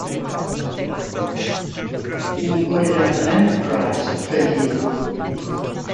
Ihm wurde der Brenner Prize verliehen.